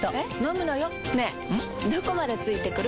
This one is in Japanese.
どこまで付いてくる？